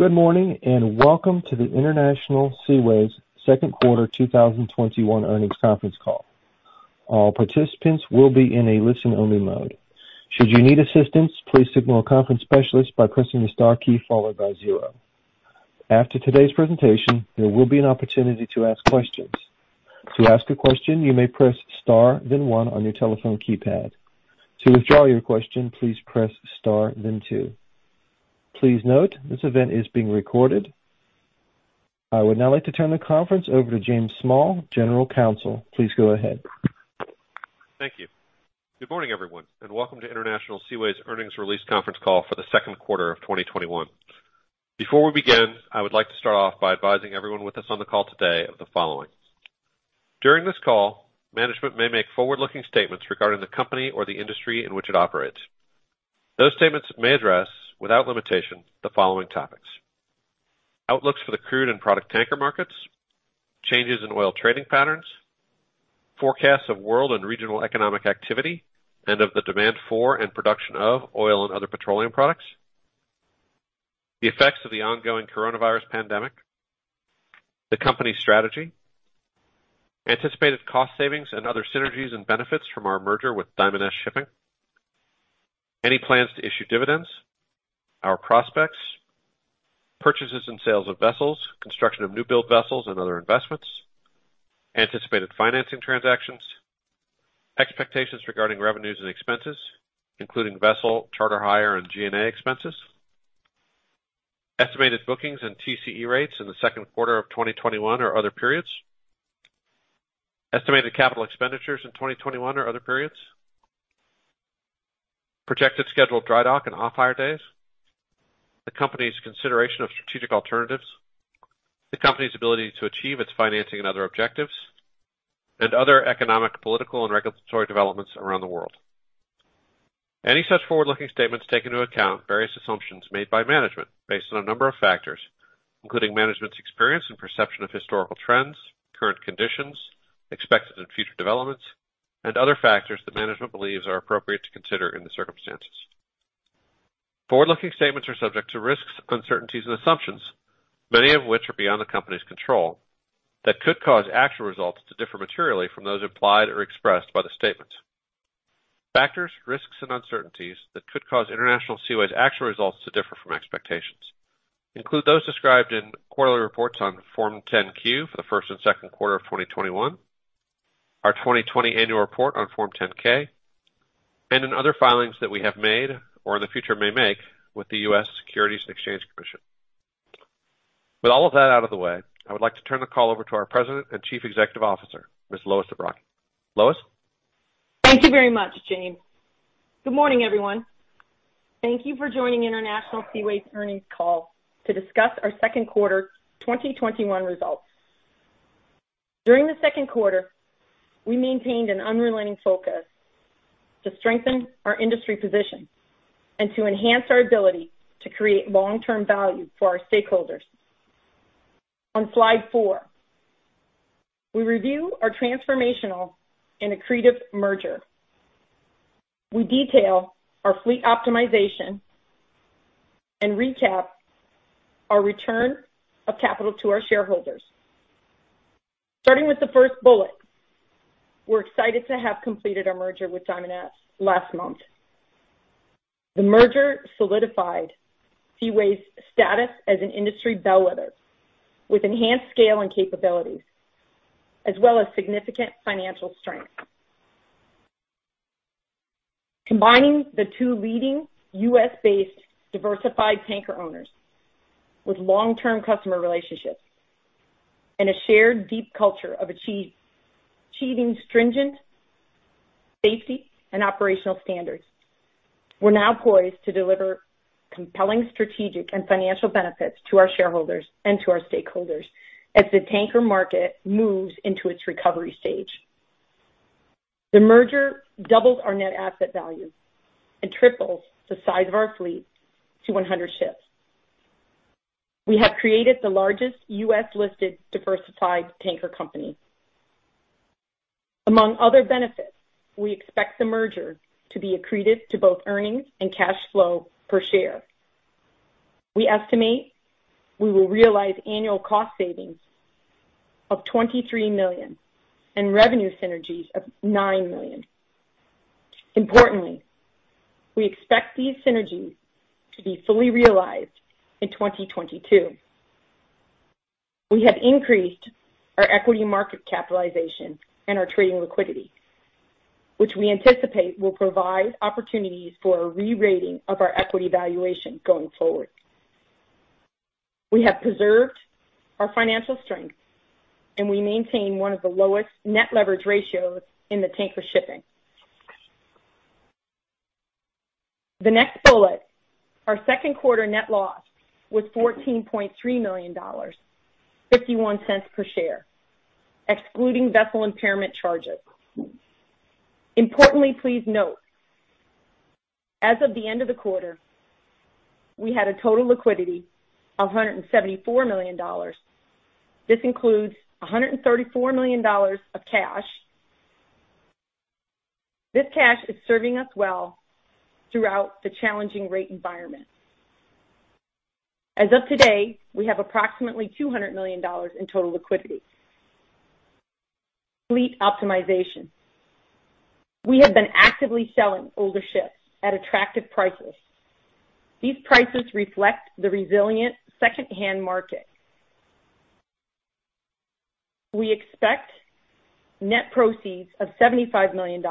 Good morning, and welcome to the International Seaways Second Quarter 2021 Earnings Conference Call. All participants will be in a listen-only mode. Should you need assistance, please signal a conference specialist by pressing the star key followed by zero. After today's presentation, there will be an opportunity to ask questions. To ask a question, you may press star then one on your telephone keypad. To withdraw your question, please press star then two. Please note, this event is being recorded. I would now like to turn the conference over to James Small, General Counsel. Please go ahead. Thank you. Good morning, everyone, and welcome to International Seaways Earnings Release Conference Call for the Second Quarter of 2021. Before we begin, I would like to start off by advising everyone with us on the call today of the following. During this call, management may make forward-looking statements regarding the company or the industry in which it operates. Those statements may address, without limitation, the following topics: outlooks for the crude and product tanker markets, changes in oil trading patterns, forecasts of world and regional economic activity, and of the demand for and production of oil and other petroleum products, the effects of the ongoing coronavirus pandemic, the company's strategy, anticipated cost savings and other synergies and benefits from our merger with Diamond S Shipping, any plans to issue dividends, our prospects, purchases and sales of vessels, construction of new-build vessels and other investments, anticipated financing transactions, expectations regarding revenues and expenses, including vessel charter hire and G&A expenses, estimated bookings and TCE rates in the second quarter of 2021 or other periods, estimated capital expenditures in 2021 or other periods, projected scheduled dry dock and off-hire days, the company's consideration of strategic alternatives, the company's ability to achieve its financing and other objectives, and other economic, political, and regulatory developments around the world. Any such forward-looking statements take into account various assumptions made by management based on a number of factors, including management's experience and perception of historical trends, current conditions, expected and future developments, and other factors that management believes are appropriate to consider in the circumstances. Forward-looking statements are subject to risks, uncertainties, and assumptions, many of which are beyond the company's control, that could cause actual results to differ materially from those implied or expressed by the statements. Factors, risks, and uncertainties that could cause International Seaways' actual results to differ from expectations include those described in quarterly reports on Form 10-Q for the first and second quarter of 2021, our 2020 annual report on Form 10-K, and in other filings that we have made or in the future may make with the US Securities and Exchange Commission. With all of that out of the way, I would like to turn the call over to our President and Chief Executive Officer, Ms. Lois Zabrocky. Lois? Thank you very much, James. Good morning, everyone. Thank you for joining International Seaways Earnings Call to discuss our second quarter 2021 results. During the second quarter, we maintained an unrelenting focus to strengthen our industry position and to enhance our ability to create long-term value for our stakeholders. On slide four, we review our transformational and accretive merger. We detail our fleet optimization and recap our return of capital to our shareholders. Starting with the first bullet, we're excited to have completed our merger with Diamond S last month. The merger solidified Seaways' status as an industry bellwether with enhanced scale and capabilities, as well as significant financial strength. Combining the two leading U.S.-based diversified tanker owners with long-term customer relationships and a shared deep culture of achieving stringent safety and operational standards, we're now poised to deliver compelling strategic and financial benefits to our shareholders and to our stakeholders as the tanker market moves into its recovery stage. The merger doubles our net asset value and triples the size of our fleet to 100 ships. We have created the largest U.S.-listed diversified tanker company. Among other benefits, we expect the merger to be accretive to both earnings and cash flow per share. We estimate we will realize annual cost savings of $23 million and revenue synergies of $9 million. Importantly, we expect these synergies to be fully realized in 2022. We have increased our equity market capitalization and our trading liquidity, which we anticipate will provide opportunities for a re-rating of our equity valuation going forward. We have preserved our financial strength, and we maintain one of the lowest net leverage ratios in the tanker shipping. The next bullet, our second quarter net loss was $14.3 million, $0.51 per share, excluding vessel impairment charges. Importantly, please note, as of the end of the quarter, we had a total liquidity of $174 million. This includes $134 million of cash. This cash is serving us well throughout the challenging rate environment. As of today, we have approximately $200 million in total liquidity. Fleet optimization. We have been actively selling older ships at attractive prices. These prices reflect the resilient secondhand market. We expect net proceeds of $75 million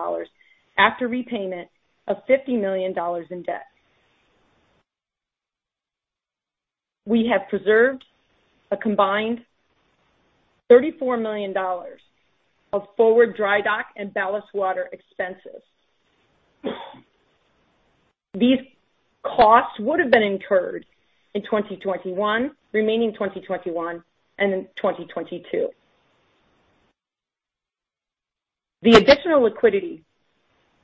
after repayment of $50 million in debt. We have preserved a combined $34 million of forward dry dock and ballast water expenses. These costs would have been incurred in 2021, remaining 2021 and in 2022. The additional liquidity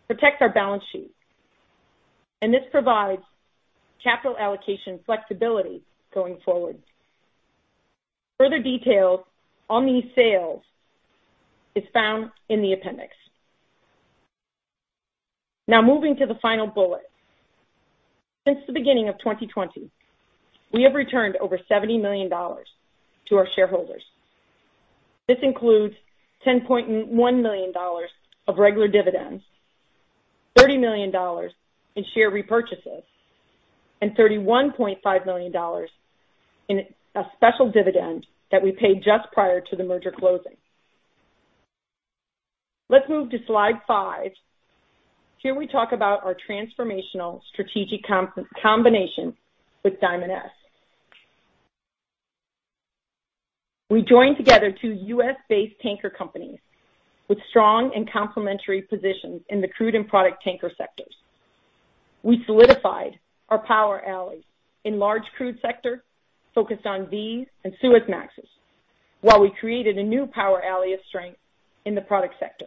protects our balance sheet. This provides capital allocation flexibility going forward. Further details on these sales is found in the appendix. Moving to the final bullet. Since the beginning of 2020, we have returned over $70 million to our shareholders. This includes $10.1 million of regular dividends, $30 million in share repurchases, and $31.5 million in a special dividend that we paid just prior to the merger closing. Let's move to slide five. Here we talk about our transformational strategic combination with Diamond S. We joined together two U.S.-based tanker companies with strong and complementary positions in the crude and product tanker sectors. We solidified our power alleys in large crude sector, focused on VLCCs and Suezmaxes, while we created a new power alley of strength in the product sector.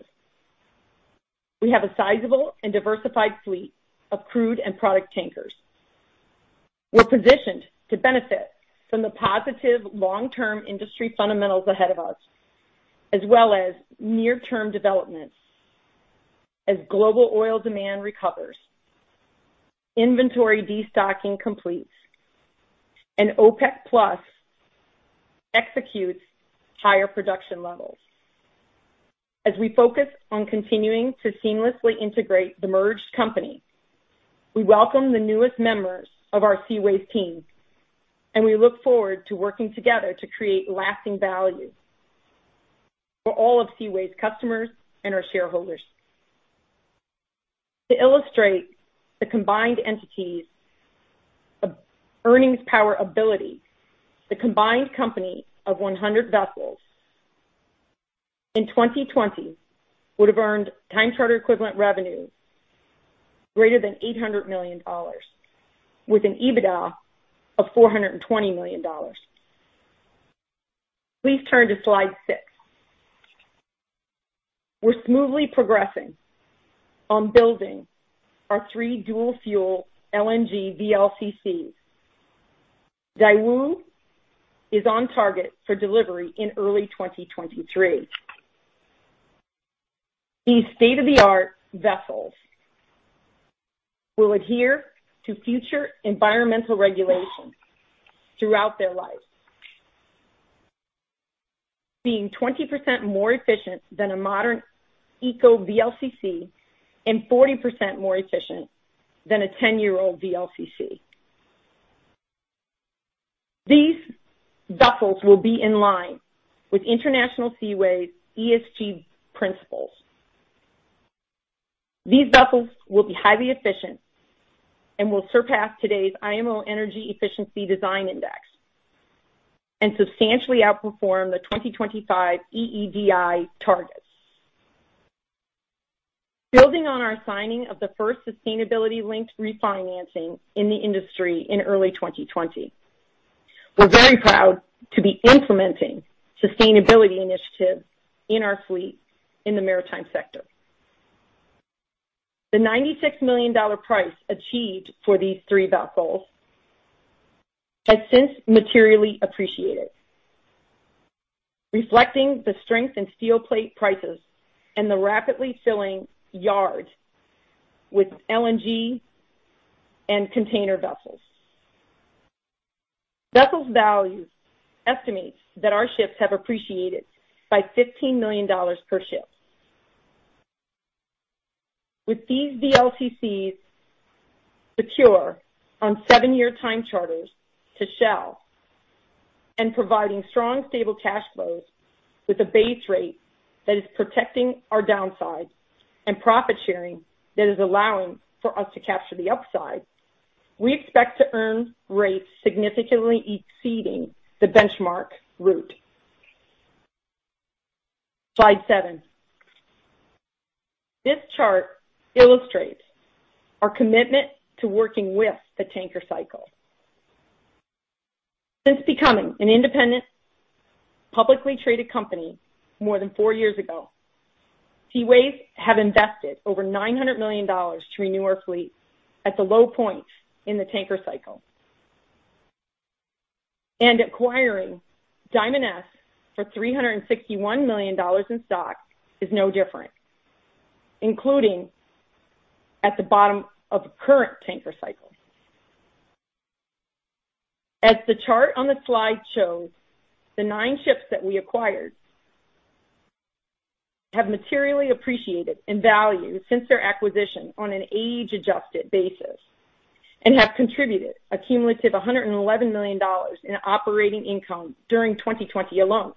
We have a sizable and diversified fleet of crude and product tankers. We're positioned to benefit from the positive long-term industry fundamentals ahead of us, as well as near-term developments as global oil demand recovers, inventory destocking completes, and OPEC+ executes higher production levels. As we focus on continuing to seamlessly integrate the merged company, we welcome the newest members of our Seaways team, and we look forward to working together to create lasting value for all of Seaways' customers and our shareholders. To illustrate the combined entities' earnings power ability, the combined company of 100 vessels in 2020 would have earned time charter equivalent revenue greater than $800 million, with an EBITDA of $420 million. Please turn to slide six. We're smoothly progressing on building our 3 dual-fuel LNG VLCCs. Daewoo is on target for delivery in early 2023. These state-of-the-art vessels will adhere to future environmental regulations throughout their life, being 20% more efficient than a modern eco VLCC and 40% more efficient than a 10-year-old VLCC. These vessels will be in line with International Seaways' ESG principles. These vessels will be highly efficient and will surpass today's IMO Energy Efficiency Design Index and substantially outperform the 2025 EEDI targets. Building on our signing of the first sustainability-linked refinancing in the industry in early 2020, we're very proud to be implementing sustainability initiatives in our fleet in the maritime sector. The $96 million price achieved for these three vessels has since materially appreciated, reflecting the strength in steel plate prices and the rapidly filling yard with LNG and container vessels. VesselsValue estimates that our ships have appreciated by $15 million per ship. With these VLCCs secure on seven-year time charters to Shell and providing strong, stable cash flows with a base rate that is protecting our downside and profit-sharing that is allowing for us to capture the upside, we expect to earn rates significantly exceeding the benchmark route. Slide seven. This chart illustrates our commitment to working with the tanker cycle. Since becoming an independent, publicly-traded company more than four years ago, Seaways have invested over $900 million to renew our fleet at the low point in the tanker cycle. Acquiring Diamond S for $361 million in stock is no different, including at the bottom of the current tanker cycle. As the chart on the slide shows, the nine ships that we acquired have materially appreciated in value since their acquisition on an age-adjusted basis and have contributed a cumulative $111 million in operating income during 2020 alone.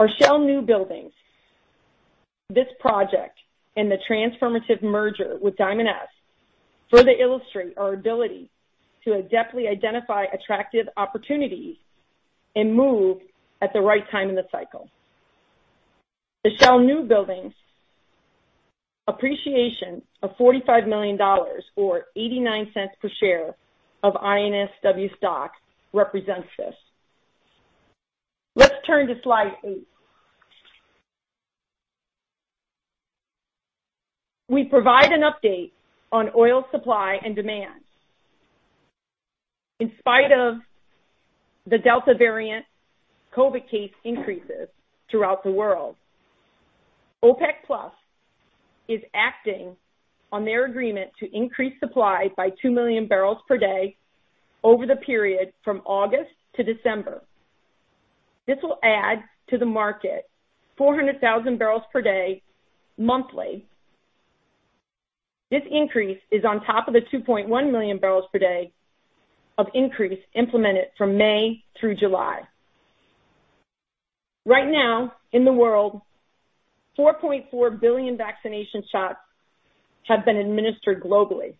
Our Shell new buildings, this project, and the transformative merger with Diamond S further illustrate our ability to adeptly identify attractive opportunities and move at the right time in the cycle. The Shell new buildings appreciation of $45 million or $0.89 per share of INSW stock represents this. Let's turn to slide eight. We provide an update on oil supply and demand. In spite of the Delta variant COVID case increases throughout the world, OPEC+ is acting on their agreement to increase supply by 2 MMbpd over the period from August to December. This will add to the market 400,000 barrels per day monthly. This increase is on top of the 2.1 MMbpd of increase implemented from May through July. Right now in the world, 4.4 billion vaccination shots have been administered globally.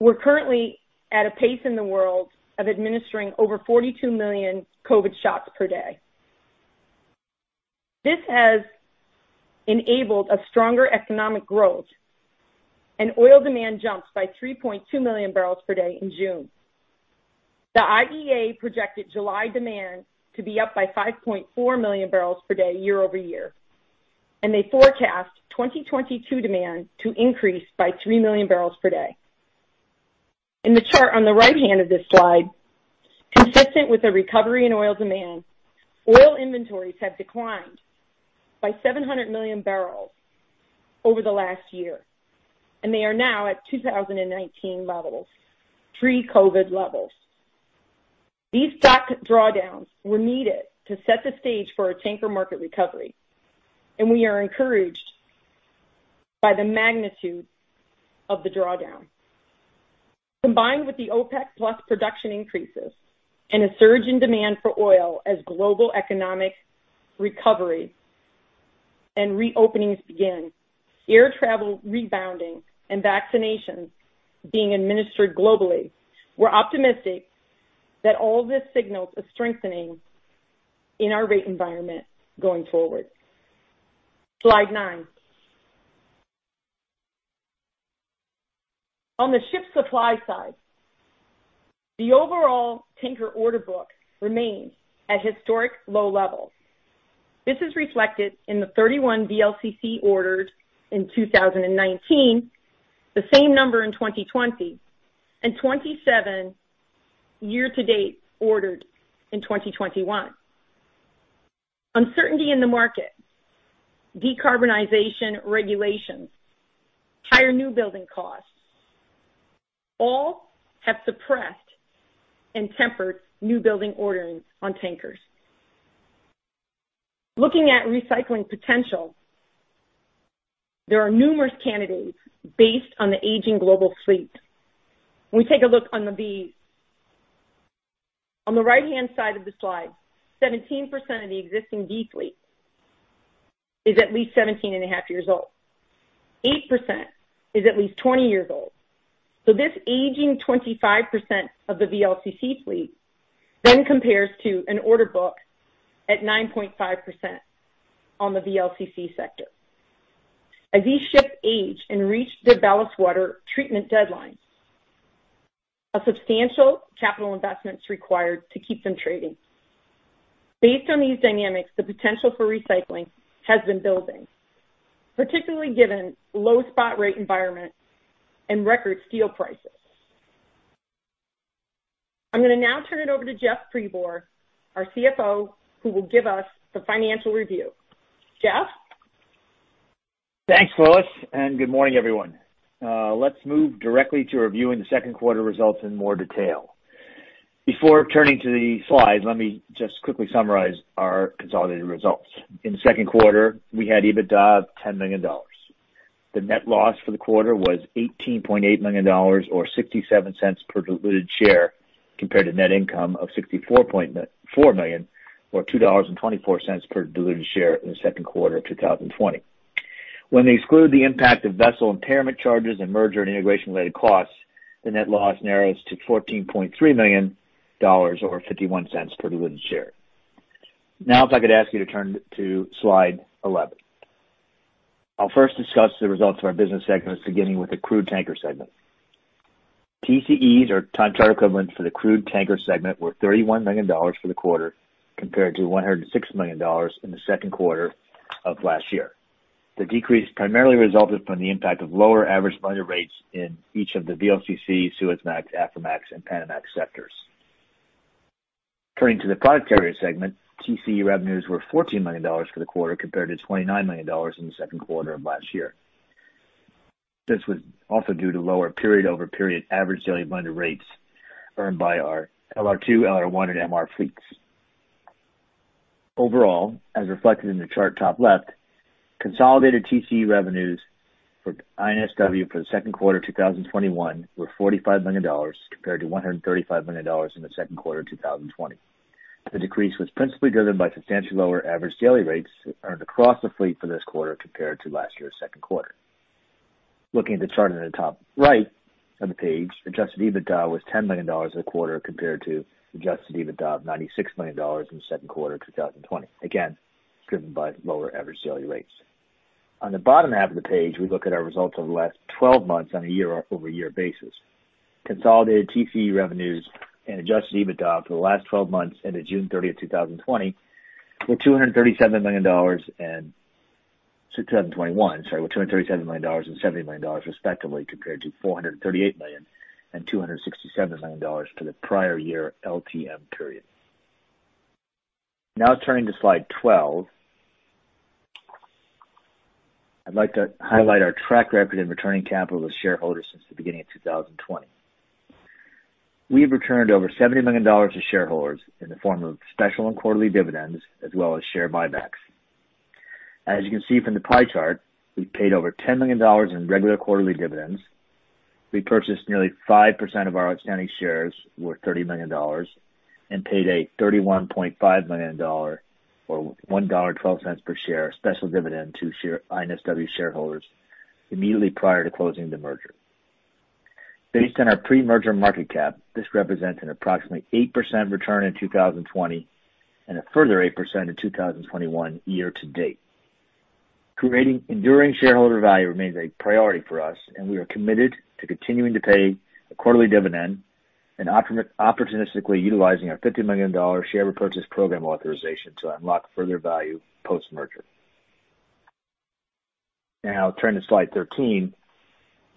We're currently at a pace in the world of administering over 42 million COVID shots per day. This has enabled a stronger economic growth and oil demand jumps by 3.2 MMbpd in June. The IEA projected July demand to be up by 5.4 MMbpd year-over-year, they forecast 2022 demand to increase by 3 MMbpd. In the chart on the right-hand of this slide, consistent with the recovery in oil demand, oil inventories have declined by 700 million barrels over the last year, they are now at 2019 levels, pre-COVID levels. These stock drawdowns were needed to set the stage for a tanker market recovery, we are encouraged by the magnitude of the drawdown. Combined with the OPEC+ production increases and a surge in demand for oil as global economic recovery and reopenings begin, air travel rebounding, and vaccinations being administered globally, we're optimistic that all this signals a strengthening in our rate environment going forward. Slide nine. On the ship supply side, the overall tanker order book remains at historic low levels. This is reflected in the 31 VLCC orders in 2019, the same number in 2020, and 27 year-to-date ordered in 2021. Uncertainty in the market, decarbonization regulations, higher new-building costs, all have suppressed and tempered new building ordering on tankers. Looking at recycling potential, there are numerous candidates based on the aging global fleet. When we take a look on the right-hand side of the slide, 17% of the existing fleet is at least 17 and a half years old. 8% is at least 20 years old. This aging 25% of the VLCC fleet then compares to an order book at 9.5% on the VLCC sector. As these ships age and reach their ballast water treatment deadlines, a substantial capital investment is required to keep them trading. Based on these dynamics, the potential for recycling has been building, particularly given low spot rate environment and record steel prices. I'm going to now turn it over to Jeff Pribor, our CFO, who will give us the financial review. Jeff? Thanks, Lois, good morning, everyone. Let's move directly to reviewing the second quarter results in more detail. Before turning to the slides, let me just quickly summarize our consolidated results. In the second quarter, we had EBITDA of $10 million. The net loss for the quarter was $18.8 million or $0.67 per diluted share compared to net income of $64.4 million or $2.24 per diluted share in the second quarter of 2020. When they exclude the impact of vessel impairment charges and merger and integration-related costs, the net loss narrows to $14.3 million or $0.51 per diluted share. If I could ask you to turn to slide 11. I'll first discuss the results of our business segments, beginning with the crude tanker segment. TCEs, or Time Charter Equivalents, for the crude tanker segment were $31 million for the quarter, compared to $106 million in the second quarter of last year. The decrease primarily resulted from the impact of lower average blended rates in each of the VLCC, Suezmax, Aframax, and Panamax sectors. Turning to the product carrier segment, TCE revenues were $14 million for the quarter compared to $29 million in the second quarter of last year. This was also due to lower period-over-period average daily blended rates earned by our LR2, LR1, and MR fleets. Overall, as reflected in the chart top left, consolidated TCE revenues for INSW for the second quarter 2021 were $45 million compared to $135 million in the second quarter of 2020. The decrease was principally driven by substantially lower average daily rates earned across the fleet for this quarter compared to last year's second quarter. Looking at the chart in the top right of the page, Adjusted EBITDA was $10 million a quarter compared to Adjusted EBITDA of $96 million in the second quarter of 2020, again, driven by lower average daily rates. On the bottom half of the page, we look at our results over the last 12 months on a year-over-year basis. Consolidated TCE revenues and Adjusted EBITDA for the last 12 months ended June 30, 2020 were $237 million and 2021, sorry, were $237 million and $70 million respectively, compared to $438 million and $267 million for the prior year LTM period. Turning to slide 12. I'd like to highlight our track record in returning capital to shareholders since the beginning of 2020. We've returned over $70 million to shareholders in the form of special and quarterly dividends, as well as share buybacks. As you can see from the pie chart, we've paid over $10 million in regular quarterly dividends. We purchased nearly 5% of our outstanding shares worth $30 million and paid a $31.5 million or $1.12 per share special dividend to INSW shareholders immediately prior to closing the merger. Based on our pre-merger market cap, this represents an approximately 8% return in 2020 and a further 8% in 2021 year-to-date. Creating enduring shareholder value remains a priority for us, and we are committed to continuing to pay a quarterly dividend and opportunistically utilizing our $50 million share repurchase program authorization to unlock further value post-merger. Turning to slide 13.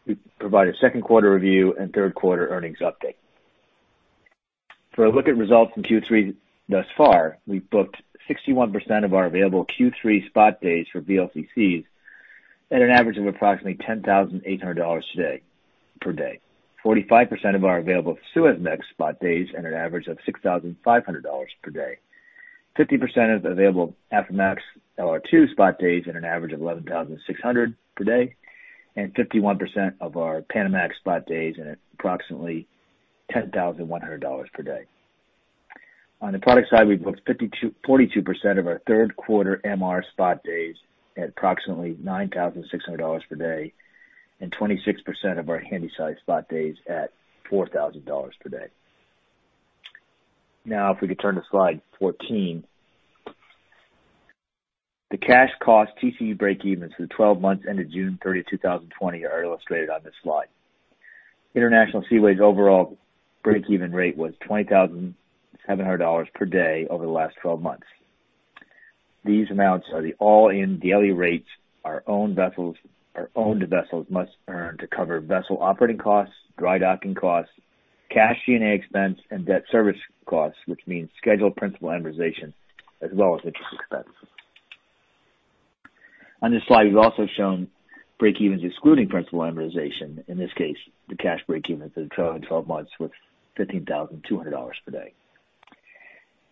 We provide a second quarter review and third-quarter earnings update. For a look at results in Q3 thus far, we've booked 61% of our available Q3 spot days for VLCCs at an average of approximately $10,800 today, per day. 45% of our available Suezmax spot days at an average of $6,500 per day. 50% of available Aframax LR2 spot days at an average of $11,600 per day, and 51% of our Panamax spot days at approximately $10,100 per day. On the product side, we've booked 42% of our third quarter MR spot days at approximately $9,600 per day and 26% of our Handysize spot days at $4,000 per day. If we could turn to slide 14. The cash cost TCE breakevens for the 12 months ended June 30th, 2020 are illustrated on this slide. International Seaways overall breakeven rate was $20,700 per day over the last 12 months. These amounts are the all-in daily rates our owned vessels must earn to cover vessel operating costs, dry docking costs, cash G&A expense, and debt service costs, which means scheduled principal amortization as well as interest expense. On this slide, we've also shown breakevens excluding principal amortization. In this case, the cash breakevens in the trailing 12 months was $15,200 per day.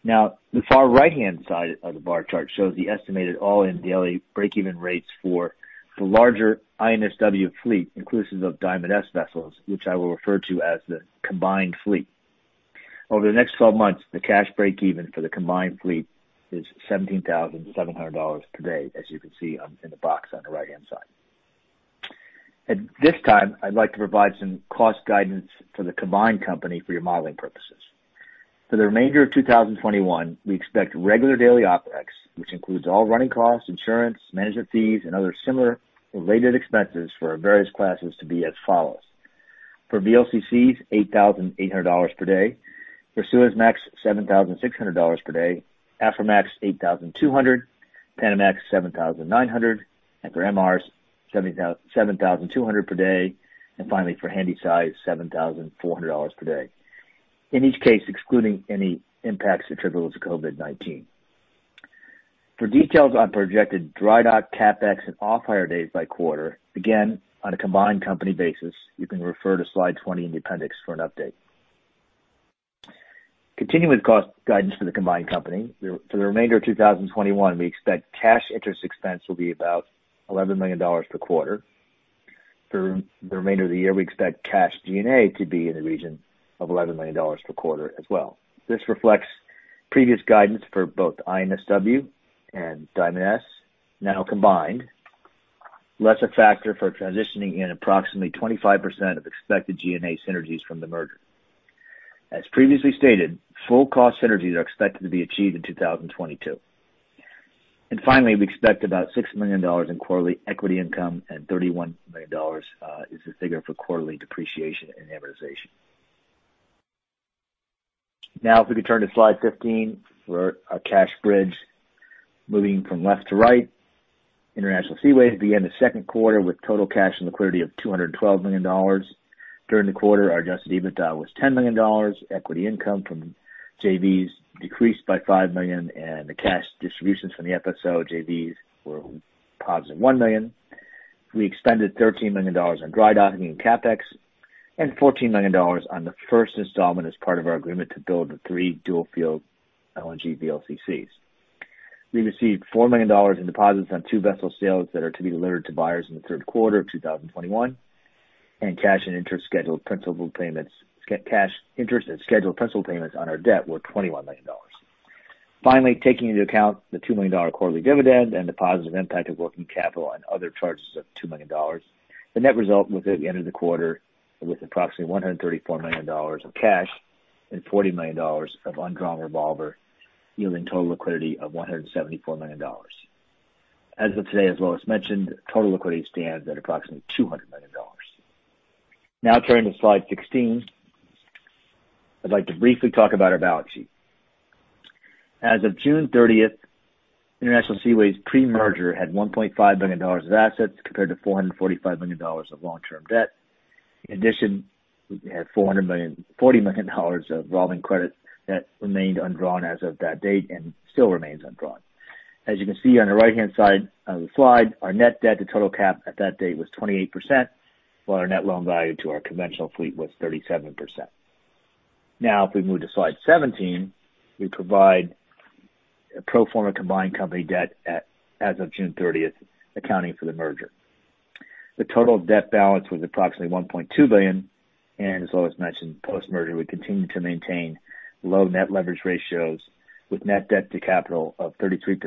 Now, the far right-hand side of the bar chart shows the estimated all-in daily breakeven rates for the larger INSW fleet, inclusive of Diamond S vessels, which I will refer to as the combined fleet. Over the next 12 months, the cash breakeven for the combined fleet is $17,700 per day, as you can see in the box on the right-hand side. At this time, I'd like to provide some cost guidance for the combined company for your modeling purposes. For the remainder of 2021, we expect regular daily OpEx, which includes all running costs, insurance, management fees, and other similar related expenses for our various classes to be as follows. For VLCCs, $8,800 per day. For Suezmax, $7,600 per day. Aframax, $8,200. Panamax, $7,900. For MRs, $7,200 per day. Finally, for Handysize, $7,400 per day. In each case, excluding any impacts attributable to COVID-19. For details on projected dry dock CapEx and off-hire days by quarter, again, on a combined company basis, you can refer to slide 20 in the appendix for an update. Continuing with cost guidance for the combined company. For the remainder of 2021, we expect cash interest expense will be about $11 million per quarter. For the remainder of the year, we expect cash G&A to be in the region of $11 million per quarter as well. This reflects previous guidance for both INSW and Diamond S now combined, less a factor for transitioning in approximately 25% of expected G&A synergies from the merger. As previously stated, full cost synergies are expected to be achieved in 2022. Finally, we expect about $6 million in quarterly equity income and $31 million is the figure for quarterly depreciation and amortization. Now, if we could turn to Slide 15 for our cash bridge. Moving from left to right, International Seaways began the second quarter with total cash and liquidity of $212 million. During the quarter, our Adjusted EBITDA was $10 million. Equity income from JVs decreased by $5 million, and the cash distributions from the FSO JVs were positive $1 million. We expended $13 million on dry docking and CapEx, and $14 million on the first installment as part of our agreement to build the three dual-fuel LNG VLCCs. We received $4 million in deposits on two vessel sales that are to be delivered to buyers in the third quarter of 2021, and cash and interest scheduled principal payments. Cash interest and scheduled principal payments on our debt were $21 million. Finally, taking into account the $2 million quarterly dividend and the positive impact of working capital and other charges of $2 million, the net result was at the end of the quarter with approximately $134 million of cash and $40 million of undrawn revolver, yielding total liquidity of $174 million. As of today, as Lois mentioned, total liquidity stands at approximately $200 million. Now turning to Slide 16, I'd like to briefly talk about our balance sheet. As of June 30th, International Seaways pre-merger had $1.5 billion of assets compared to $445 million of long-term debt. In addition, we had $40 million of revolving credit that remained undrawn as of that date and still remains undrawn. As you can see on the right-hand side of the slide, our net debt to total cap at that date was 28%, while our net loan value to our conventional fleet was 37%. Now, if we move to slide 17, we provide a pro forma combined company debt as of June 30th, accounting for the merger. The total debt balance was approximately $1.2 billion, and as Lois mentioned, post-merger, we continue to maintain low net leverage ratios with net debt to capital of 33%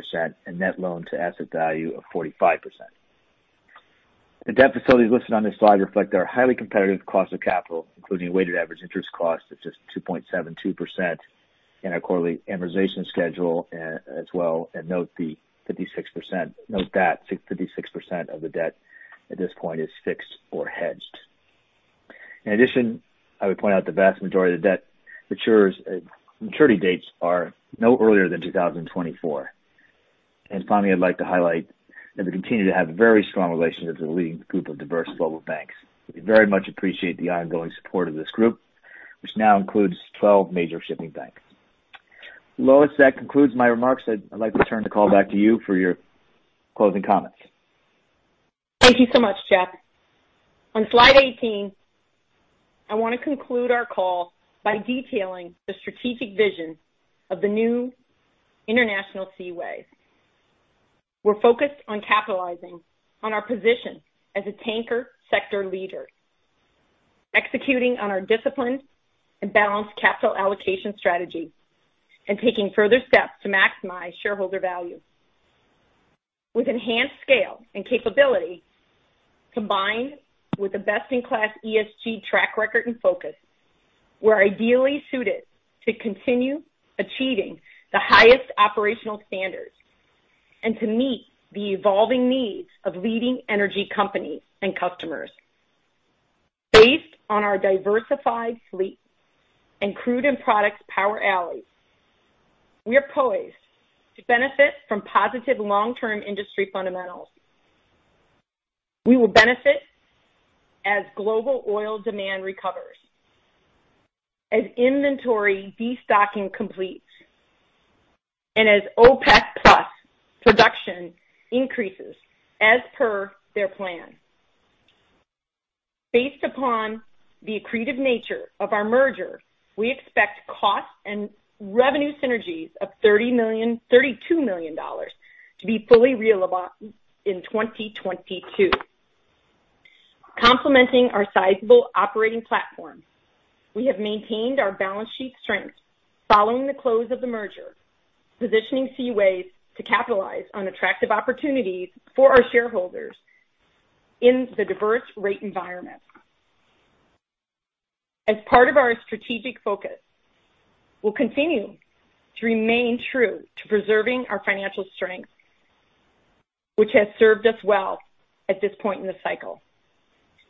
and net loan to asset value of 45%. The debt facilities listed on this slide reflect our highly competitive cost of capital, including a weighted average interest cost that is just 2.72%, and our quarterly amortization schedule as well. Note that 56% of the debt at this point is fixed or hedged. In addition, I would point out the vast majority of the debt maturity dates are no earlier than 2024. Finally, I'd like to highlight that we continue to have very strong relationships with a leading group of diverse global banks. We very much appreciate the ongoing support of this group, which now includes 12 major shipping banks. Lois, that concludes my remarks. I'd like to turn the call back to you for your closing comments. Thank you so much, Jeff. On slide 18, I want to conclude our call by detailing the strategic vision of the new International Seaways. We're focused on capitalizing on our position as a tanker sector leader, executing on our disciplined and balanced capital allocation strategy, and taking further steps to maximize shareholder value. With enhanced scale and capability combined with a best-in-class ESG track record and focus, we're ideally suited to continue achieving the highest operational standards and to meet the evolving needs of leading energy companies and customers. Based on our diversified fleet and crude and products power alleys, we are poised to benefit from positive long-term industry fundamentals. We will benefit as global oil demand recovers, as inventory destocking completes, and as OPEC+ production increases as per their plan. Based upon the accretive nature of our merger, we expect cost and revenue synergies of $32 million to be fully realizable in 2022. Complementing our sizable operating platform, we have maintained our balance sheet strength following the close of the merger, positioning Seaways to capitalize on attractive opportunities for our shareholders in the diverse rate environment. As part of our strategic focus, we'll continue to remain true to preserving our financial strength, which has served us well at this point in the cycle,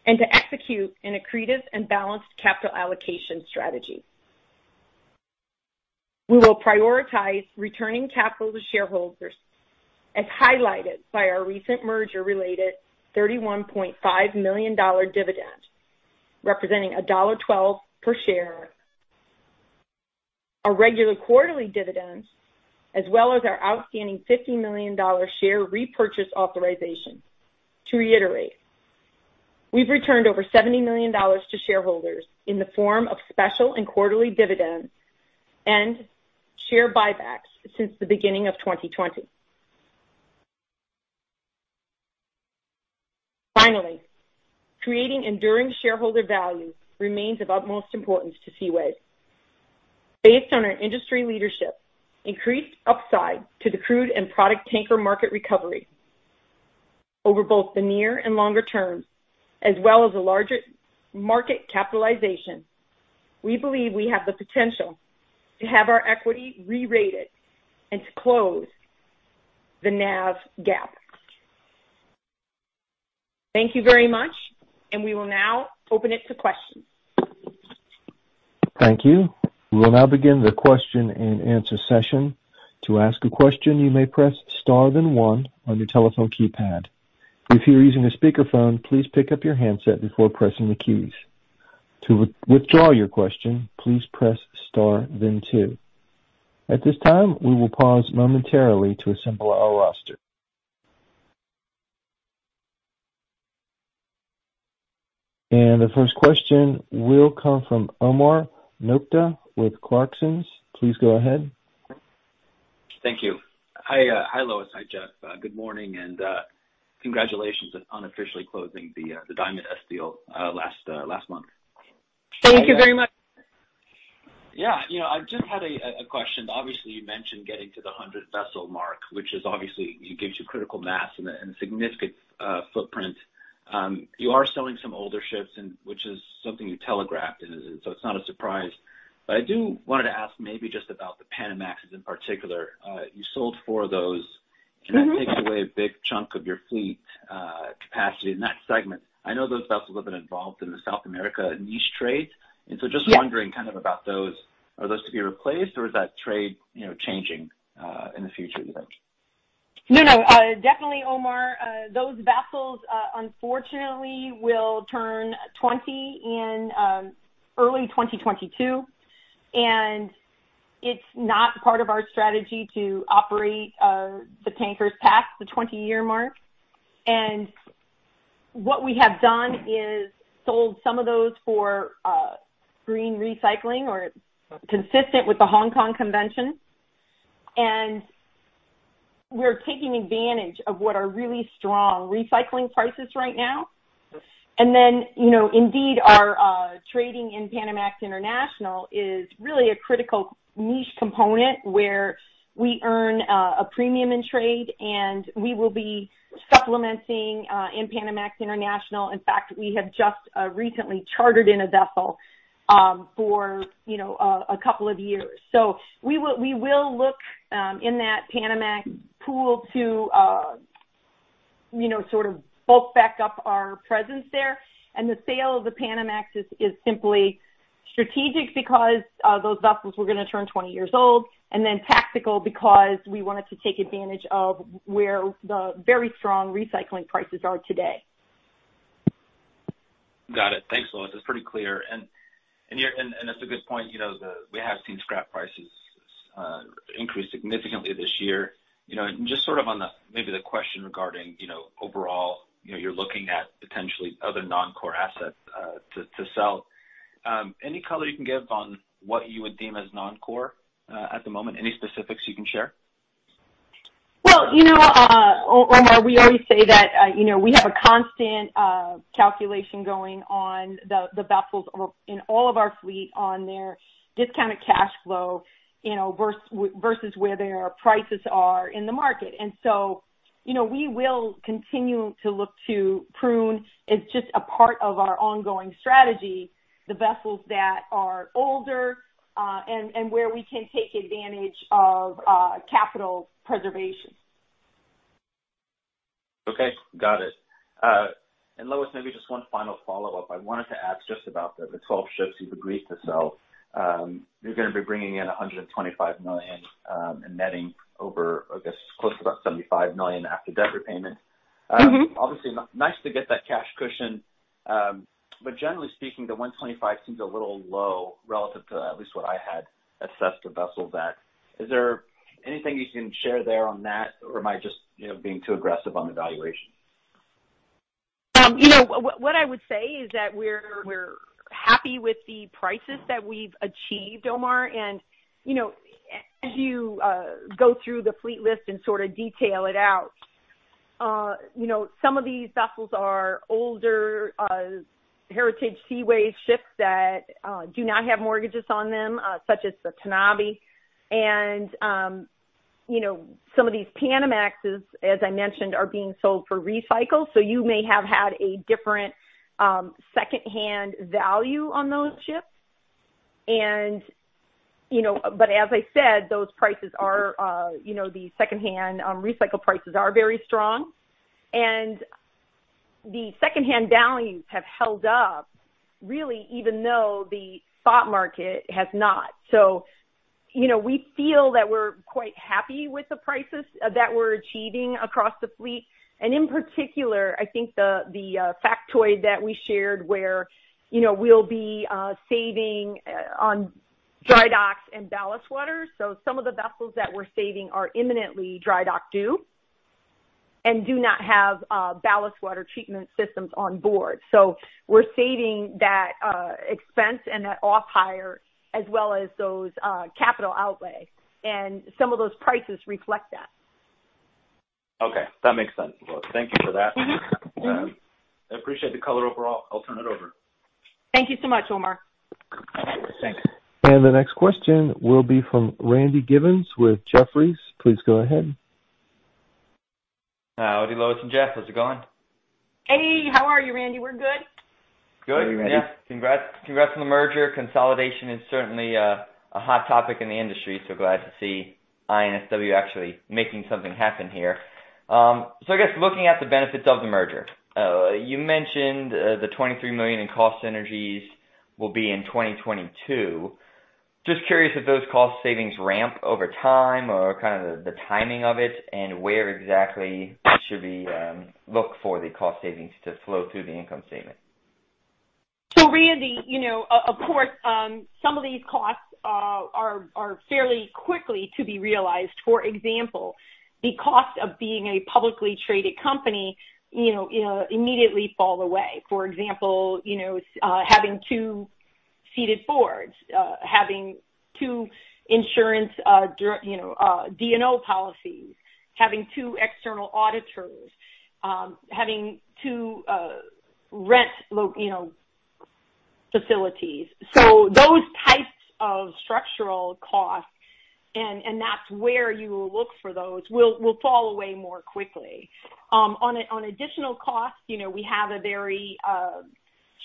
and to execute an accretive and balanced capital allocation strategy. We will prioritize returning capital to shareholders, as highlighted by our recent merger-related $31.5 million dividend, representing $1.12 per share, our regular quarterly dividends, as well as our outstanding $50 million share repurchase authorization. To reiterate, we've returned over $70 million to shareholders in the form of special and quarterly dividends and share buybacks since the beginning of 2020. Finally, creating enduring shareholder value remains of utmost importance to Seaways. Based on our industry leadership, increased upside to the crude and product tanker market recovery over both the near and longer term, as well as a larger market capitalization, we believe we have the potential to have our equity re-rated and to close the NAV gap. Thank you very much, and we will now open it to questions. Thank you. We will now begin the question and answer session. To ask a question, you may press star then one on your telephone keypad. If you're using a speakerphone, please pick up your handset before pressing the keys. To withdraw your question, please press star then two. At this time, we will pause momentarily to assemble our roster. The first question will come from Omar Nokta with Clarksons. Please go ahead. Thank you. Hi, Lois. Hi, Jeff. Good morning. Congratulations on officially closing the Diamond S deal last month. Thank you very much. Yeah. I just had a question. Obviously, you mentioned getting to the 100th vessel mark, which obviously gives you critical mass and a significant footprint. You are selling some older ships, which is something you telegraphed, and so it's not a surprise. I do want to ask maybe just about the Panamax in particular. You sold four of those. That takes away a big chunk of your fleet capacity in that segment. I know those vessels have been involved in the South America niche trades. Just wondering kind of about those, are those to be replaced or is that trade changing in the future, you think? No. Definitely, Omar. Those vessels, unfortunately, will turn 20 in early 2022, and it's not part of our strategy to operate the tankers past the 20-year mark. What we have done is sold some of those for green recycling or consistent with the Hong Kong Convention. We're taking advantage of what are really strong recycling prices right now. Indeed, our trading in Panamax International is really a critical niche component where we earn a premium in trade, and we will be supplementing in Panamax International. In fact, we have just recently chartered in a vessel for, you know, uh, a couple of years. So, we will look in that Panamax pool to sort of bulk back up our presence there. The sale of the Panamax is simply strategic because those vessels were going to turn 20 years old, and then tactical because we wanted to take advantage of where the very strong recycling prices are today. Got it. Thanks, Lois. It's pretty clear. That's a good point. We have seen scrap prices increase significantly this year. Just sort of on maybe the question regarding overall you're looking at potentially other non-core assets to sell. Any color you can give on what you would deem as non-core at the moment? Any specifics you can share? Well, you know, Omar, we always say that we have a constant calculation going on the vessels in all of our fleet on their discounted cash flow, you know, versus where their prices are in the market. We will continue to look to prune. It's just a part of our ongoing strategy, the vessels that are older, and where we can take advantage of capital preservation. Okay. Got it. Lois, maybe just one final follow-up. I wanted to ask just about the 12 ships you've agreed to sell. You're going to be bringing in $125 million and netting over, I guess, close to about $75 million after debt repayment. Obviously, nice to get that cash cushion. Generally speaking, the $125 million seems a little low relative to at least what I had assessed the vessels at. Is there anything you can share there on that, or am I just being too aggressive on the valuation? What I would say is that we're happy with the prices that we've achieved, Omar. As you go through the fleet list and sort of detail it out, some of these vessels are older heritage Seaways ships that do not have mortgages on them, such as the Tanabe. Some of these Panamaxes, as I mentioned, are being sold for recycle. So you may have had a different, uhm, secondhand value on those ships. But, as I said, those prices are, you know, the secondhand recycle prices are very strong, and the secondhand values have held up, really, even though the spot market has not. We feel that we're quite happy with the prices that we are achieving across the fleet. In particular, I think the factoid that we shared where we'll be saving on dry docks and ballast water. Some of the vessels that we're saving are imminently dry dock due and do not have ballast water treatment systems on board. We're saving that expense and that off-hire as well as those capital outlays, and some of those prices reflect that. Okay. That makes sense, Lois. Thank you for that. I appreciate the color overall. I'll turn it over. Thank you so much, Omar. Thanks. The next question will be from Randy Giveans with Jefferies. Please go ahead. Howdy, Lois and Jeff. How's it going? Hey, how are you, Randy? You good? Good. Yeah. Congrats on the merger. Consolidation is certainly a hot topic in the industry, so glad to see INSW actually making something happen here. I guess looking at the benefits of the merger, you mentioned the $23 million in cost synergies will be in 2022. Just curious if those cost savings ramp over time or kind of the timing of it and where exactly should we look for the cost savings to flow through the income statement? Randy, of course, some of these costs are fairly quickly to be realized. For example, the cost of being a publicly traded company immediately fall away. For example, having two seated boards, having two insurance D&O policies, having two external auditors, having two, uh, rent facilities. Those types of structural costs, and that's where you will look for those, will fall away more quickly. On additional costs, we have a very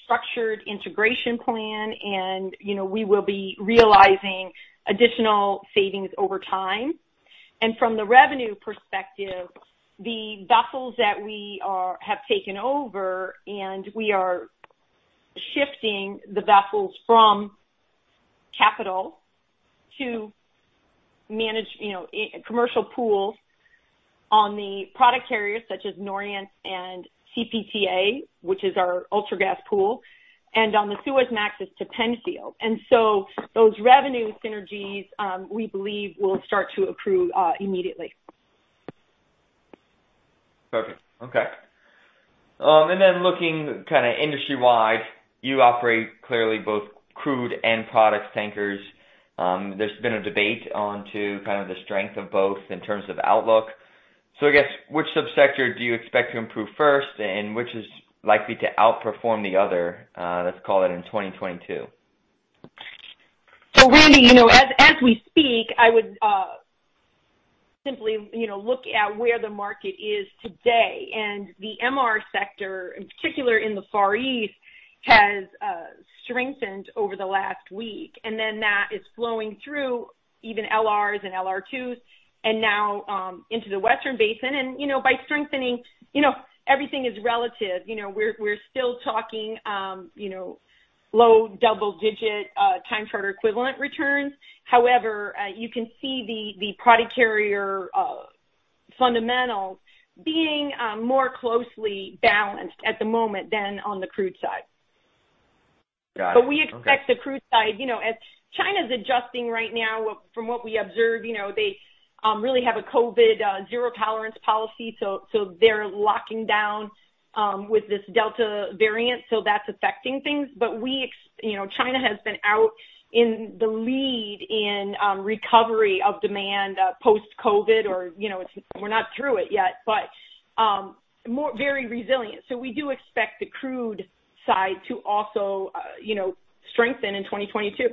structured integration plan, and we will be realizing additional savings over time. From the revenue perspective, the vessels that we have taken over, and we are shifting the vessels from capital to manage commercial pools on the product carriers such as Norient and CPTA, which is our clean products pool, and on the Suezmaxes to Penfield. Those revenue synergies, we believe will start to accrue immediately. Perfect. Okay. Looking kind of industry-wide, you operate clearly both crude and product tankers. There's been a debate on to kind of the strength of both in terms of outlook. I guess, which sub-sector do you expect to improve first, and which is likely to outperform the other, let's call it in 2022? Randy, as we speak, I would simply look at where the market is today. The MR sector, in particular in the Far East, has strengthened over the last week. That is flowing through even LRs and LR2s and now into the Western basin. By strengthening, everything is relative. We're still talking low double-digit time charter equivalent returns. However, you can see the product carrier fundamentals being more closely balanced at the moment than on the crude side. Got it. Okay. We expect the crude side, as China's adjusting right now, from what we observe they really have a COVID-zero-tolerance policy, so they're locking down with this Delta variant, so that's affecting things. China has been out in the lead in recovery of demand post-COVID or we're not through it yet, but very resilient. We do expect the crude side to also strengthen in 2022.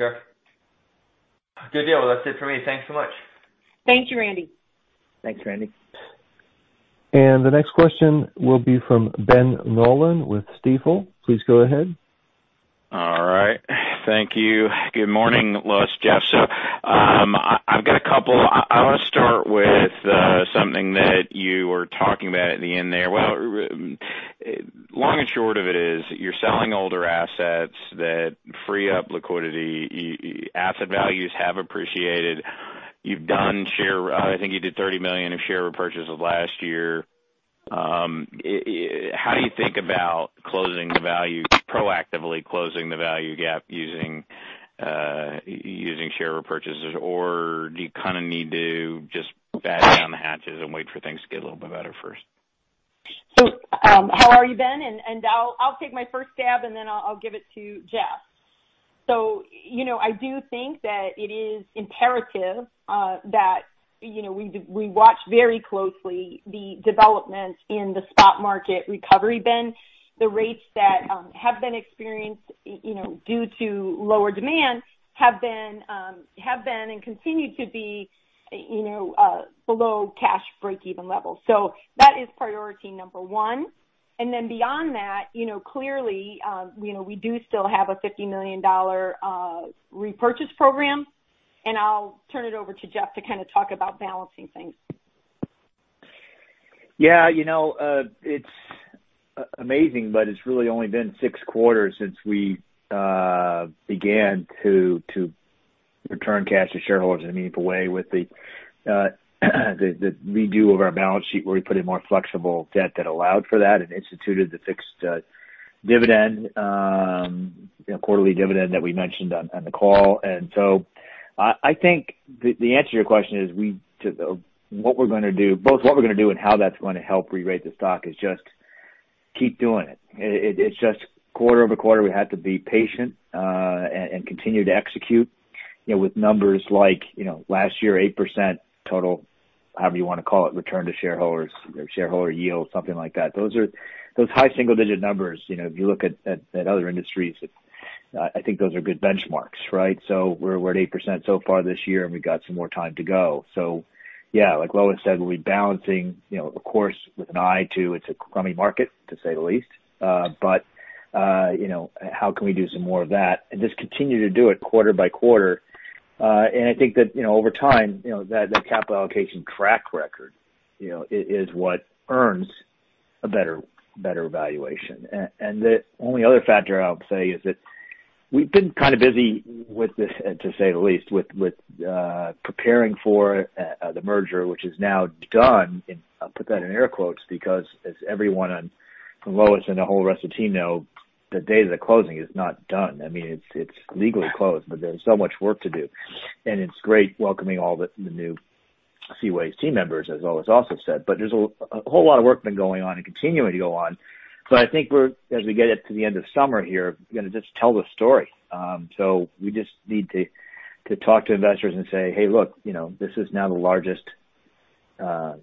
Sure. Good deal. Well, that's it for me. Thanks so much. Thank you, Randy. Thanks, Randy. The next question will be from Ben Nolan with Stifel. Please go ahead. All right. Thank you. Good morning, Lois, Jeff. I've got a couple. I want to start with something that you were talking about at the end there. Well, long and short of it is you're selling older assets that free up liquidity. Asset values have appreciated. You've done I think you did $30 million of share repurchases last year. How do you think about proactively closing the value gap using share repurchases, or do you kind of need to just batten down the hatches and wait for things to get a little bit better first? How are you, Ben? I'll take my first stab, then I'll give it to Jeff. I do think that it is imperative that we watch very closely the developments in the spot market recovery, Ben. The rates that have been experienced due to lower demand have been and continue to be below cash breakeven levels. That is priority number one. Then beyond that, clearly we do still have a $50 million repurchase program, and I'll turn it over to Jeff to kind of talk about balancing things. Yeah. It's amazing, but it's really only been six quarters since we began to return cash to shareholders in a meaningful way with the redo of our balance sheet, where we put in more flexible debt that allowed for that and instituted the fixed quarterly dividend that we mentioned on the call. I think the answer to your question is both what we're going to do and how that's going to help rerate the stock is just keep doing it. It's just quarter over quarter, we have to be patient and continue to execute with numbers like last year, 8% total, however you want to call it, return to shareholders or shareholder yield, something like that. Those high single-digit numbers if you look at other industries it's. I think those are good benchmarks, right? We're at 8% so far this year, and we've got some more time to go. Yeah, like Lois said, we'll be balancing of course, with an eye to, it's a crummy market, to say the least. How can we do some more of that and just continue to do it quarter by quarter? I think that over time, that capital allocation track record is what earns a better evaluation. The only other factor I would say is that we've been kind of busy with this, to say the least, with preparing for the merger, which is now done. I'll put that in air quotes because as everyone, and Lois and the whole rest of the team know, the day of the closing is not done. It's legally closed, but there's so much work to do. It's great welcoming all the new Seaways team members, as Lois also said. There's a whole lot of work been going on and continuing to go on. I think as we get it to the end of summer here, we're going to just tell the story. We just need to talk to investors and say, "Hey, look, this is now the largest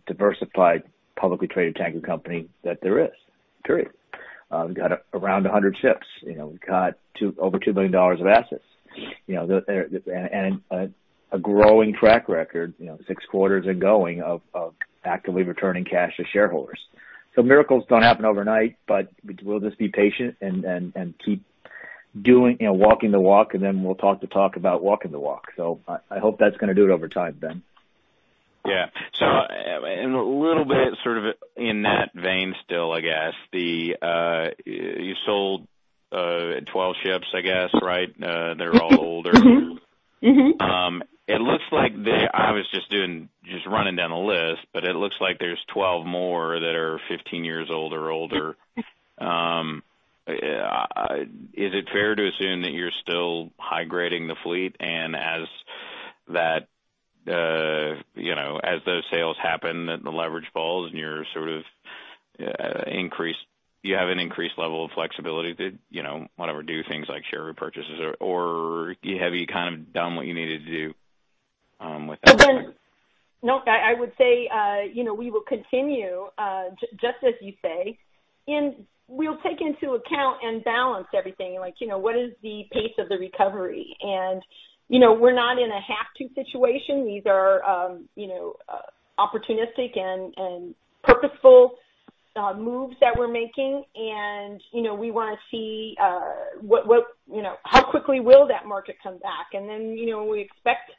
diversified publicly traded tanker company that there is, period." We've got around 100 ships. We've got over $2 billion of assets. A growing track record, six quarters and going, of actively returning cash to shareholders. Miracles don't happen overnight, but we'll just be patient and keep walking the walk, and then we'll talk the talk about walking the walk. I hope that's going to do it over time, Ben. Yeah. A little bit sort of in that vein still, I guess. You sold 12 ships, I guess, right? They're all older. Mm-hmm. Mm-hmm. It looks like I was just running down the list, but it looks like there's 12 more that are 15 years old or older. Is it fair to assume that you're still high-grading the fleet, and as those sales happen, the leverage falls, and you have an increased level of flexibility to whatever, do things like share repurchases, or have you kind of done what you needed to do with that? Ben, no, I would say we will continue, just as you say. We'll take into account and balance everything, like what is the pace of the recovery? We're not in a have-to situation. These are opportunistic and purposeful moves that we're making. We want to see how quickly will that market come back. Then, we expect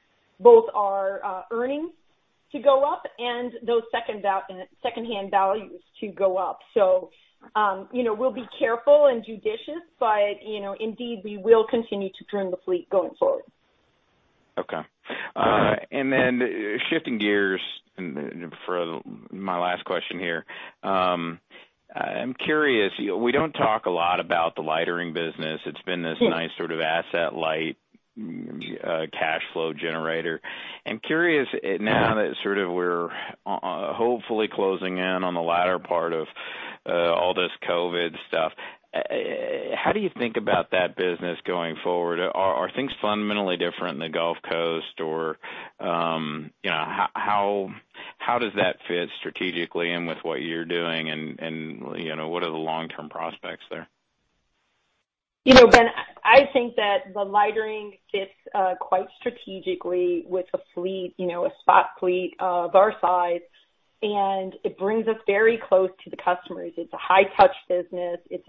both our earnings to go up and those secondhand values to go up. We'll be careful and judicious, but indeed, we will continue to trim the fleet going forward. Okay. Shifting gears for my last question here. I'm curious, we don't talk a lot about the lightering business. It's been this nice sort of asset-light cash flow generator. I'm curious now that sort of we're hopefully closing in on the latter part of all this COVID stuff, how do you think about that business going forward? Are things fundamentally different in the Gulf Coast, or how does that fit strategically in with what you're doing, and what are the long-term prospects there? Ben, I think that the lightering fits quite strategically with a spot fleet of our size, and it brings us very close to the customers. It's a high-touch business. It's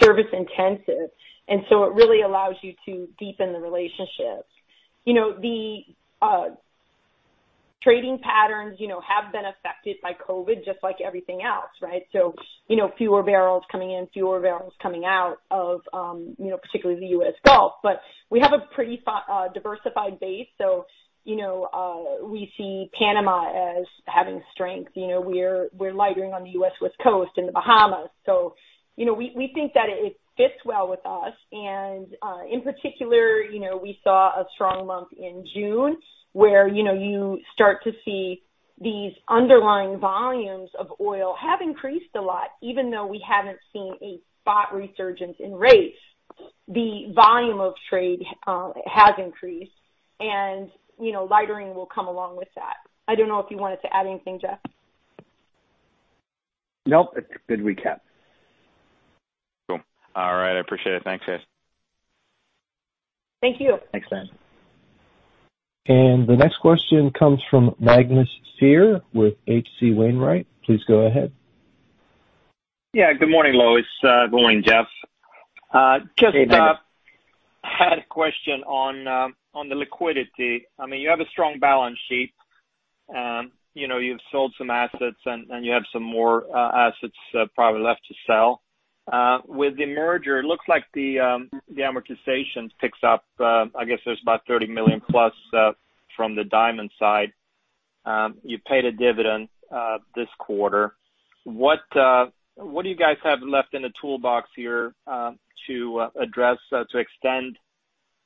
service intensive, and so it really allows you to deepen the relationships. The trading patterns have been affected by COVID-19, just like everything else, right? Fewer barrels coming in, fewer barrels coming out of particularly the U.S. Gulf. We have a pretty diversified base, so we see Panama as having strength. We're lightering on the U.S. West Coast and the Bahamas. We think that it fits well with us. In particular, we saw a strong month in June, where you start to see these underlying volumes of oil have increased a lot, even though we haven't seen a spot resurgence in rates. The volume of trade has increased, and lightering will come along with that. I don't know if you wanted to add anything, Jeff. Nope. It's a good recap. Cool. All right. I appreciate it. Thanks, guys. Thank you. Thanks, Ben. The next question comes from Magnus Fyhr with H.C. Wainwright. Please go ahead. Yeah, good morning, Lois. Good morning, Jeff. Just had a question on the liquidity. You have a strong balance sheet. You've sold some assets, and you have some more assets probably left to sell. With the merger, it looks like the amortization picks up, I guess there's about $30 million plus from the Diamond S side. You paid a dividend this quarter. What do you guys have left in the toolbox here to address, to extend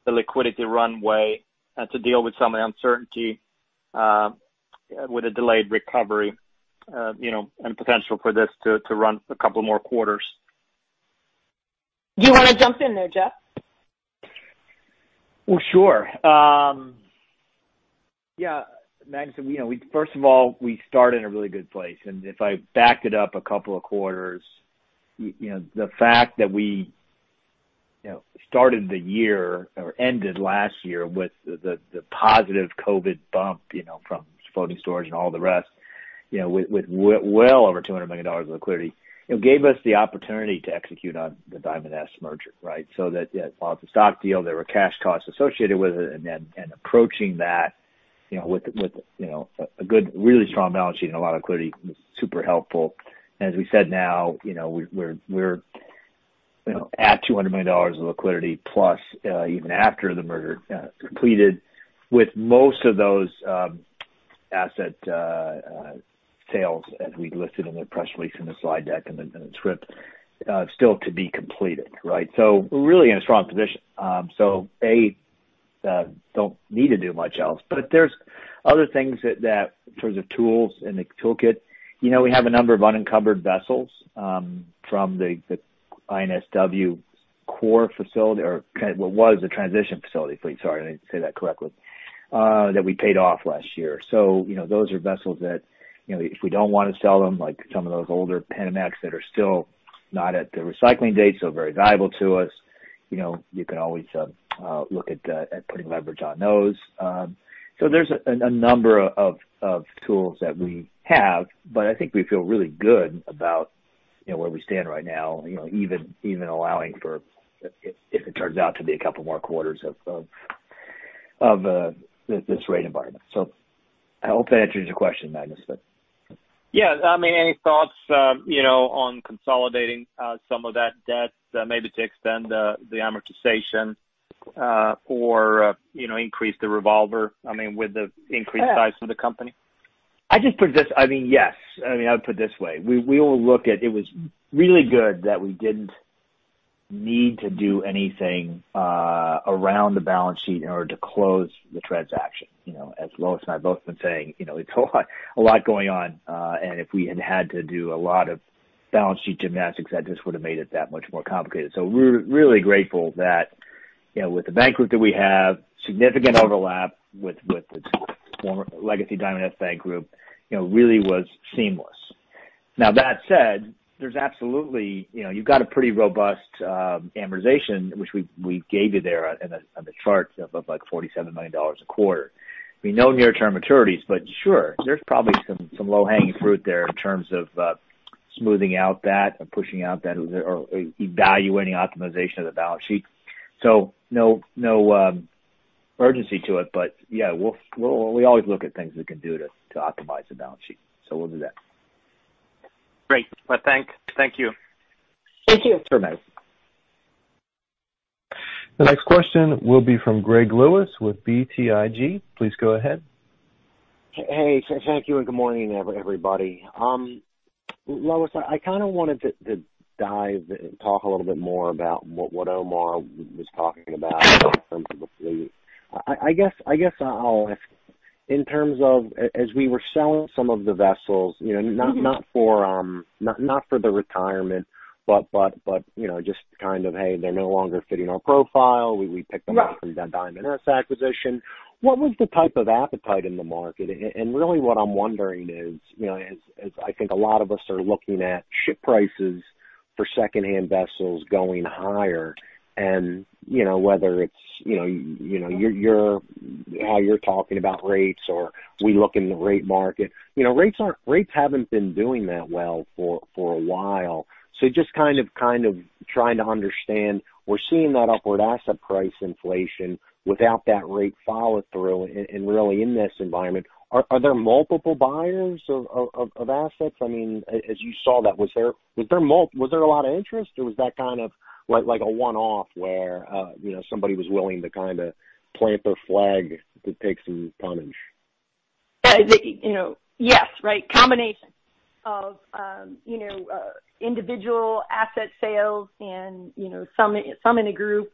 the liquidity runway and to deal with some of the uncertainty with a delayed recovery and potential for this to run a couple more quarters? Do you want to jump in there, Jeff? Well, sure. Magnus, first of all, we start in a really good place. If I backed it up a couple of quarters, the fact that we started the year or ended last year with the positive COVID bump from floating storage and all the rest with well over $200 million of liquidity, it gave us the opportunity to execute on the Diamond S merger, right? That, yes, lots of stock deal. There were cash costs associated with it. Approaching that with a good, really strong balance sheet and a lot of liquidity was super helpful. As we said, now we're at $200 million of liquidity plus even after the merger completed with most of those asset sales as we listed in the press release, in the slide deck, and the script still to be completed, right? We're really in a strong position. A, don't need to do much else. There's other things that, in terms of tools in the toolkit, we have a number of unencumbered vessels from the INSW core facility or what was the transition facility fleet, sorry, I didn't say that correctly, that we paid off last year. Those are vessels that if we don't want to sell them, like some of those older Panamax that are still not at the recycling date, so very valuable to us. You can always look at putting leverage on those. There's a number of tools that we have, but I think we feel really good about where we stand right now, even allowing for if it turns out to be a couple more quarters of this rate environment. I hope that answers your question, Magnus. Yeah. Any thoughts on consolidating some of that debt maybe to extend the amortization or increase the revolver with the increased size of the company? Yes. I would put it this way. It was really good that we didn't need to do anything around the balance sheet in order to close the transaction. As Lois and I both have been saying, it's a lot going on. If we had had to do a lot of balance sheet gymnastics, that just would have made it that much more complicated. We're really grateful that with the bank group that we have, significant overlap with the former legacy Diamond S bank group really was seamless. That said, you've got a pretty robust amortization, which we gave you there on the chart of like $47 million a quarter. No near-term maturities, sure, there's probably some low-hanging fruit there in terms of smoothing out that or pushing out that or evaluating optimization of the balance sheet. No urgency to it. Yeah, we always look at things we can do to optimize the balance sheet. We'll do that. Great. Well, thank you. Sure, Magnus. The next question will be from Greg Lewis with BTIG. Please go ahead. Thank you and good morning, everybody. Lois, I kind of wanted to dive and talk a little bit more about what Omar was talking about in terms of the fleet. I guess I'll ask in terms of as we were selling some of the vessels, not for the retirement, but just kind of, hey, they're no longer fitting our profile. We picked them up from that Diamond S acquisition. What was the type of appetite in the market? Really what I'm wondering is, as I think a lot of us are looking at ship prices for secondhand vessels going higher, and whether it's how you're talking about rates or we look in the rate market. Rates haven't been doing that well for a while. Just kind of trying to understand. We're seeing that upward asset price inflation without that rate follow-through. Really in this environment, are there multiple buyers of assets? As you saw that, was there a lot of interest or was that kind of like a one-off where somebody was willing to kind of plant their flag to take some tonnage? Yes, right. Combination of individual asset sales and some in a group.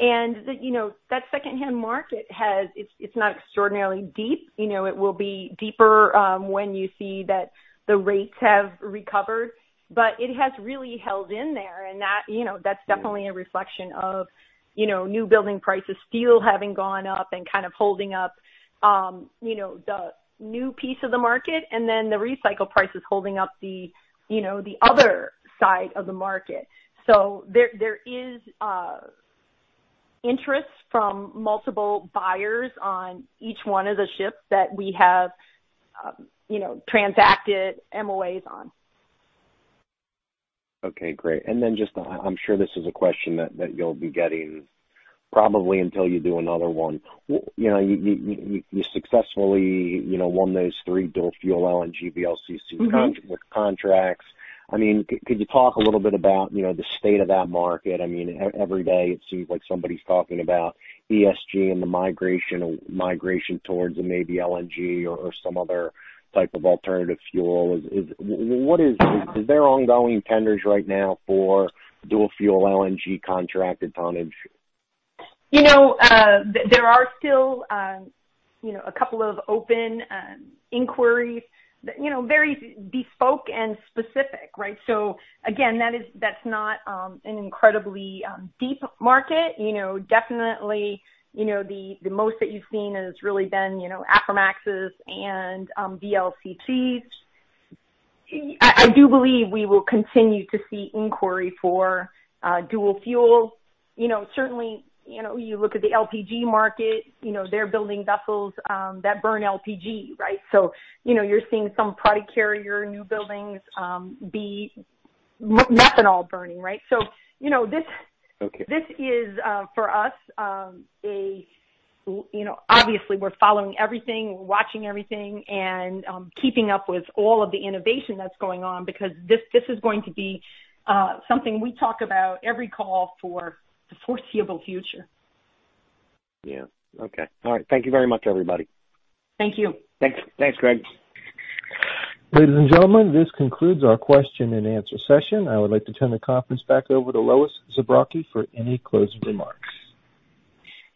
That secondhand market, it's not extraordinarily deep. It will be deeper when you see that the rates have recovered, but it has really held in there. That's definitely a reflection of new building prices, steel having gone up and kind of holding up the new piece of the market and then the recycle prices holding up the other side of the market. There is interest from multiple buyers on each one of the ships that we have transacted MOAs on. Okay, great. Just I'm sure this is a question that you'll be getting probably until you do another one. You successfully won those three dual-fuel LNG VLCC contracts. Could you talk a little bit about the state of that market? Every day it seems like somebody's talking about ESG and the migration towards maybe LNG or some other type of alternative fuel. Is there ongoing tenders right now for dual fuel LNG contracted tonnage? There are still a couple of open inquiries, very bespoke and specific, right? Again, that's not an incredibly deep market. Definitely, the most that you've seen has really been Aframaxes and VLCCs. I do believe we will continue to see inquiry for dual fuel. Certainly, you look at the LPG market. They're building vessels that burn LPG, right? You're seeing some product carrier new buildings be methanol burning, right? Okay. This is for us, obviously we're following everything, we're watching everything and keeping up with all of the innovation that's going on because this is going to be something we talk about every call for the foreseeable future. Yeah. Okay. All right. Thank you very much, everybody. Thank you. Thanks. Thanks, Greg. Ladies and gentlemen, this concludes our question and answer session. I would like to turn the conference back over to Lois Zabrocky for any closing remarks.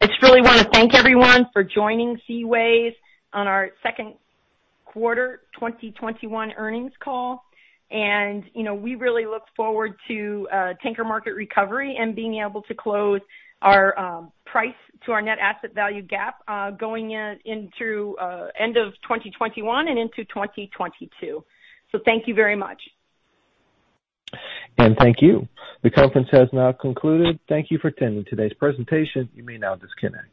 I just really want to thank everyone for joining Seaways on our second quarter 2021 earnings call. We really look forward to tanker market recovery and being able to close our price to our net asset value gap going in through end of 2021 and into 2022. Thank you very much. Thank you. The conference has now concluded. Thank you for attending today's presentation. You may now disconnect.